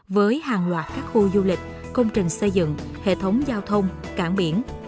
với hàng loạt các khu du lịch công trình xây dựng hệ thống giao thông cảng biển